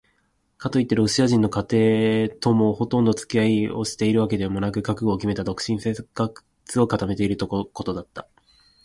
かといってロシア人の家庭ともほとんどつき合いをしているわけでもなく、覚悟をきめた独身生活を固めているということだった。